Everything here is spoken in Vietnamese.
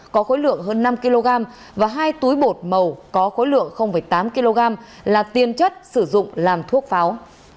có khối lượng hơn năm kg và hai túi bột màu có khối lượng tám kg là tiên chất sử dụng làm thuốc pháo